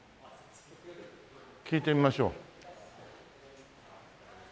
聞いてみましょう。